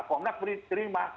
komnak beri terima